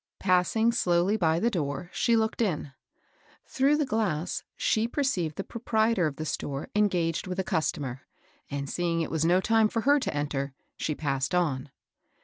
Passing slowly by the door, she looked in. Through the glass she perceived the proprietor of the store engaged with a customer, and, seeing it was no time for her to enter, she passed on.